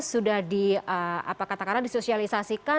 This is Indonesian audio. sudah di apa kata kata disosialisasikan